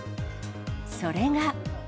それが。